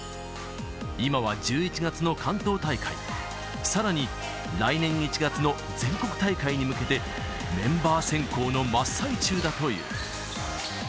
今は１１月の関東大会、さらに、来年１月の全国大会に向けて、メンバー選考の真っ最中だという。